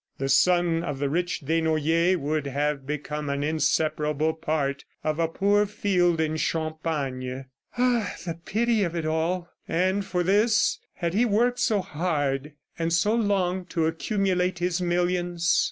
The son of the rich Desnoyers would have become an inseparable part of a poor field in Champagne. Ah, the pity of it all! And for this, had he worked so hard and so long to accumulate his millions?